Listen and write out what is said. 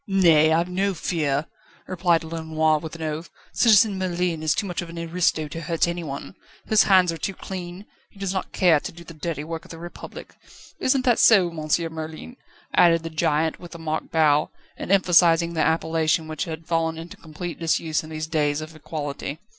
"Nay; I've no fear," replied Lenoir, with an oath. "Citizen Merlin is too much of an aristo to hurt anyone; his hands are too clean; he does not care to do the dirty work of the Republic. Isn't that so, Monsieur Merlin?" added the giant, with a mock bow, and emphasising the appellation which had fallen into complete disuse in these days of equality.